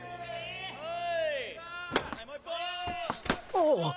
ああ。